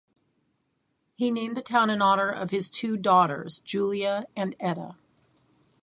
He named the town in honor of his two daughters, Julia and Etta.